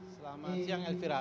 selamat siang elvira